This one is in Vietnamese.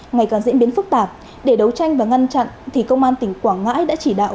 ngày càng diễn biến phức tạp để đấu tranh và ngăn chặn thì công an tỉnh quảng ngãi đã chỉ đạo